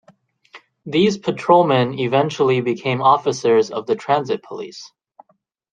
These patrolmen eventually became officers of the Transit Police.